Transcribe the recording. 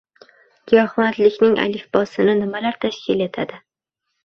Giyohvandlikning “alifbosi”ni nimalar tashkil etadi?